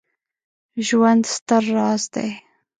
ژوند ستر راز دی